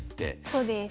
そうです。